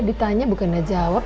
ditanya bukan ada jawab